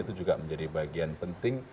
itu juga menjadi bagian penting